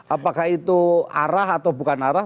apakah itu arah atau bukan arah